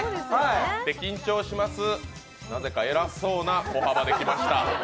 緊張します、なぜか偉そうな歩幅で来ました。